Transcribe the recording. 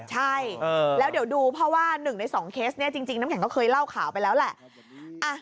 ใช่แล้วเดี๋ยวดูเพราะว่า๑ใน๒เคสนี้จริงน้ำแข็งก็เคยเล่าข่าวไปแล้วแหละ